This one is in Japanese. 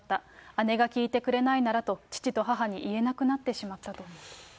姉が聞いてくれないならと、父と母に言えなくなってしまったと。